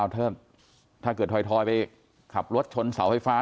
ถ้าเกิดถอยไปขับรถชนเสาไฟฟ้า